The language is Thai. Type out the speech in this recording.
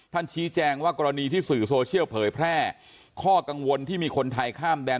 ชี้แจงว่ากรณีที่สื่อโซเชียลเผยแพร่ข้อกังวลที่มีคนไทยข้ามแดน